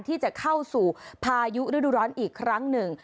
ที่จะเข้าสู่พายุฤดูร้อนอีกครั้งหนึ่ง